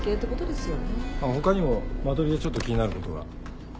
他にもマトリでちょっと気になることが。